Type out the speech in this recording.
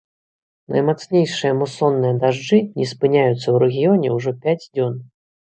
Наймацнейшыя мусонныя дажджы не спыняюцца ў рэгіёне ўжо пяць дзён.